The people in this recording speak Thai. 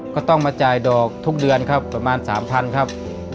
ก็ต้องมาจ่ายดอกทุกเดือนครับประมาณ๓๐๐๐ครับ